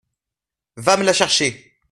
Va me la chercher !…